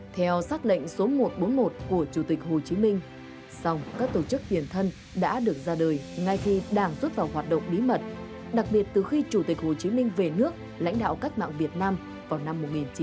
theo xác lệnh số một trăm bốn mươi một của chủ tịch hồ chí minh song các tổ chức tiền thân đã được ra đời ngay khi đảng rút vào hoạt động bí mật đặc biệt từ khi chủ tịch hồ chí minh về nước lãnh đạo cách mạng việt nam vào năm một nghìn chín trăm bốn mươi năm